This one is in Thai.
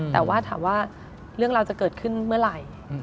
แต่ว่าถามว่าเรื่องราวจะเกิดขึ้นเมื่อไหร่